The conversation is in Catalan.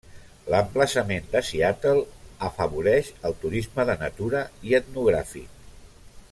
L'emplaçament de Seattle afavoreix el turisme de natura i etnogràfic.